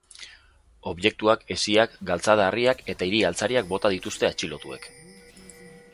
Objektuak, hesiak, galtzada-harriak eta hiri-altzariak bota dituzte atxilotuek.